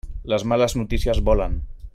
Les males notícies volen.